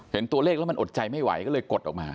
เห็นตัวเลขแล้วมันอดใจไม่ไหวก็เลยกดออกมา